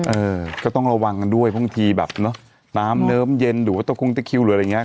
เออก็ต้องระวังด้วยบางทีแบบน้ำเนิมเย็นหรือว่าต้องคุ้งเต๊ะคิวหรืออะไรอย่างนี้